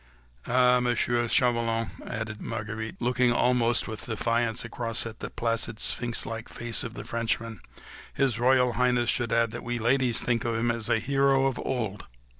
"Ah, Monsieur Chauvelin," added Marguerite, looking almost with defiance across at the placid, sphinx like face of the Frenchman, "His Royal Highness should add that we ladies think of him as of a hero of old